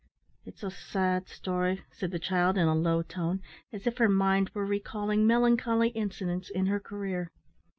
"It's a sad story," said the child, in a low tone, as if her mind were recalling melancholy incidents in her career.